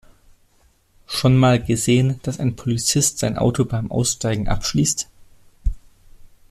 Schon mal gesehen, dass ein Polizist sein Auto beim Aussteigen abschließt?